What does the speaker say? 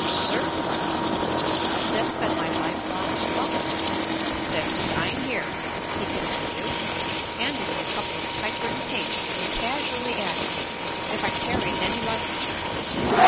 "Certainly," I replied, "that's been my lifelong struggle." "Then sign here," he con tinued, handing me a couple of typewritten pages and casually asking if I carried any life insurance.